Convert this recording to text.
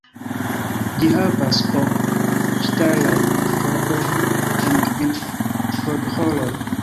Ĝi havas ok ŝtalajn kordojn en kvin kordoĥoroj.